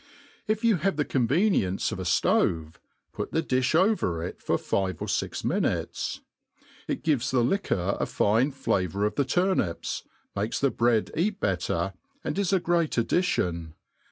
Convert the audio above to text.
If you have the convenience of a ftove, put the difli over it for five or fix minuter ; it gives the liquor a fine flavouff pf the turnips, makes the bread eat better, and is a great addio (ion.